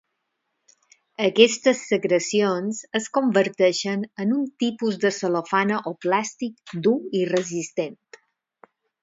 Aquestes secrecions es converteixen en un tipus de cel·lofana o plàstic dur i resistent.